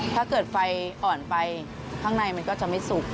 ถ้าเกิดไฟอ่อนไปข้างในมันก็จะไม่สุก